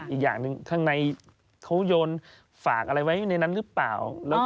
อีกอย่างหนึ่งข้างในเขาโยนฝากอะไรไว้ในนั้นหรือเปล่า